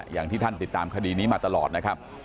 อย่างที่ท่านติดตามคดีนี้มาตลอดนะครับ